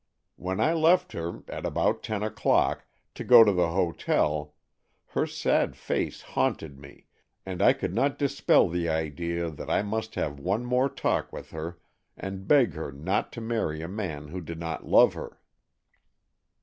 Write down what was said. When I left her, at about ten o'clock, to go to the hotel, her sad face haunted me, and I could not dispel the idea that I must have one more talk with her, and beg her not to marry a man who did not love her."